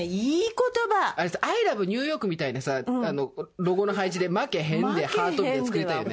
アイラブニューヨークみたいなさあのロゴの配置で「負けへんでハート」みたいなの作りたいよね。